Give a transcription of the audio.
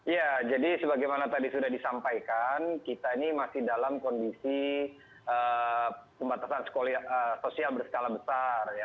ya jadi sebagaimana tadi sudah disampaikan kita ini masih dalam kondisi pembatasan sosial berskala besar